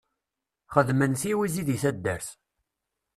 Xedmen tiwizi di taddart